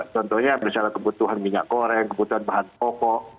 contohnya misalnya kebutuhan minyak goreng kebutuhan bahan pokok